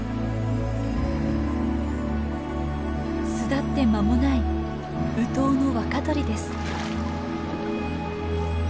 巣立って間もないウトウの若鳥です。